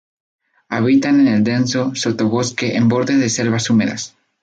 Habitan en el denso sotobosque en bordes de selvas húmedas.